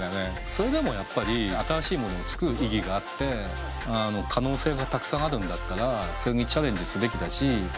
それでもやっぱり新しいものを作る意義があって可能性がたくさんあるんだったらそれにチャレンジすべきだし。